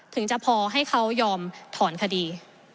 ถึงจะพอให้เขายอมถอนคดี